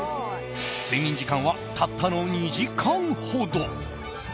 睡眠時間はたったの２時間ほど。